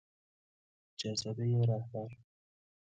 جذبهی رهبر